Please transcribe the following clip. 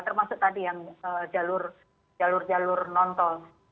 termasuk tadi yang jalur jalur nonton